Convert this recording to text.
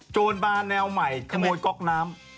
จนบานแนวใหม่ขโมยก๊อกน้ำ